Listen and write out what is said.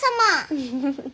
フフフフ。